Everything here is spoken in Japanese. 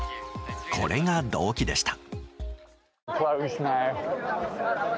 これが動機でした。